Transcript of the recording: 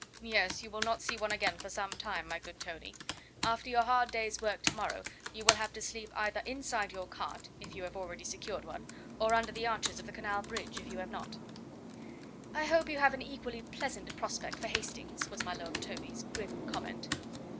"Yes, you will not see one again for some time, my good Tony. After your hard day's work to morrow you will have to sleep either inside your cart, if you have already secured one, or under the arches of the canal bridge, if you have not." "I hope you have an equally pleasant prospect for Hastings," was my Lord Tony's grim comment.